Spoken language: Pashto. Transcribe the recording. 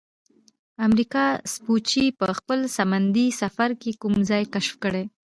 امریکا سپوچي په خپل سمندي سفر کې کوم ځای کشف کړ؟